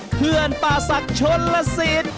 เพื่อนป่าศักดิ์ชนลสิทธิ์